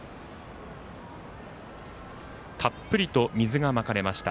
たっぷりと水がまかれました。